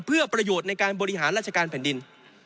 เพื่อประโยชน์ในการบริหารราชการแผ่นดิน